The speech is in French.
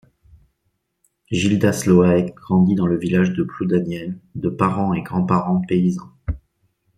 Gildas Loaëc grandit dans le village de Ploudaniel, de parents et grands-parents paysans.